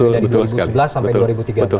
dari dua ribu sebelas sampai dua ribu tiga belas